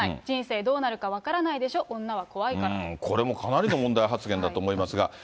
人生どうなるか分からないでしょ、これもかなりの問題発言だと思いますが。